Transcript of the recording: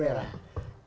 pasti bukan anggur merah